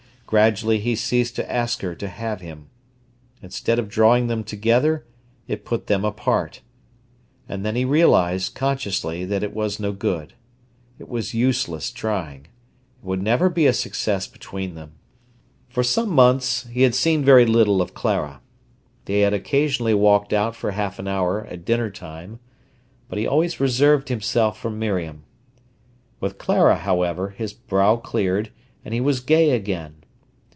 Gradually he ceased to ask her to have him. Instead of drawing them together, it put them apart. And then he realised, consciously, that it was no good. It was useless trying: it would never be a success between them. For some months he had seen very little of Clara. They had occasionally walked out for half an hour at dinner time. But he always reserved himself for Miriam. With Clara, however, his brow cleared, and he was gay again.